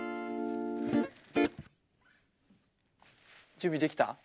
準備できた？